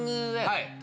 はい。